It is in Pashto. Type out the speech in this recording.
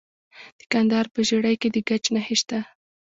د کندهار په ژیړۍ کې د ګچ نښې شته.